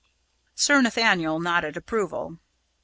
Sir Nathaniel nodded approval.